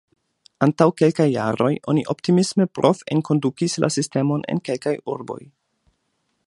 Antaŭ kelkaj jaroj oni optimisme prov-enkondukis la sistemon en kelkaj urboj.